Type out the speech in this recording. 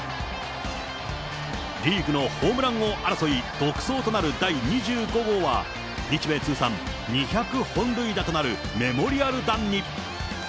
リーグのホームラン王争い独走となる第２５号は、日米通算２００本塁打となるメモリアル弾に。